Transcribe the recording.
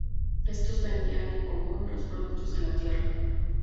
Estos vendían en común los productos de la tierra.